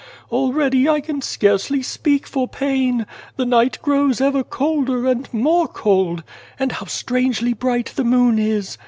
" Already I can scarcely speak for pain. The night grows ever colder and more cold. And how strangely bright the moon is